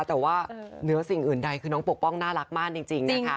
แต่ว่าเหนือสิ่งอื่นใดคือน้องปกป้องน่ารักมากจริงนะคะ